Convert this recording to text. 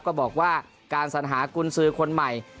ก็บอกว่าการสัญหากุญสือคนใหม่